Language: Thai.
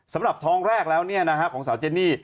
สำหรับท้องแรกแล้วเนี่ยนะฮะของสาวเจนนี่